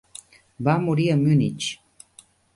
Va morir a Munich.